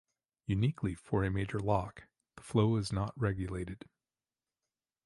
Uniquely for a major loch, the flow is not regulated.